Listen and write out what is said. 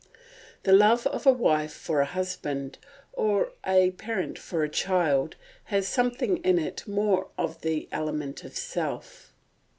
The love of a wife for a husband, or a parent for a child, has something in it more of the element of self.